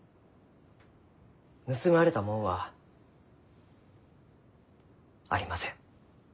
盗まれたもんはありません。